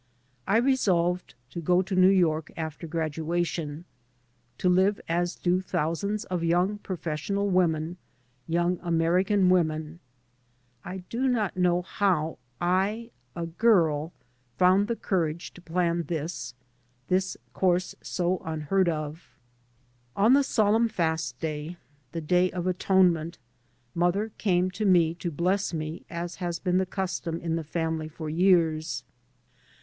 I resolved to go to New York after graduation, to live as do thousands of young professional women, young American women. I do not know now how I, a girl, found the courage to plan this, this course so unheard of. On the solemn fast day, the day of Atone ment, mother came to me to bless me as has been the custom in the family for years.